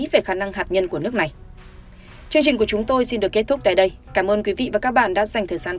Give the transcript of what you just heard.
về khả năng hạt nhân của nước này